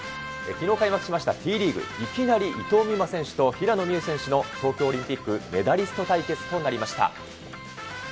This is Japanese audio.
きのう開幕しましたＴリーグ、いきなり伊藤美誠選手と平野美宇選手の東京オリンピック、メダリスト対決となりました。